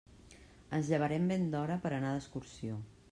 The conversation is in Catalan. Ens llevarem ben d'hora per anar d'excursió.